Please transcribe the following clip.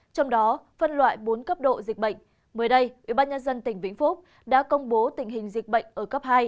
trong đó phân loại bốn cấp độ dịch bệnh mới đây ủy ban nhân dân tỉnh vĩnh phúc đã công bố tình hình dịch bệnh ở cấp hai